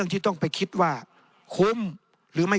ในทางปฏิบัติมันไม่ได้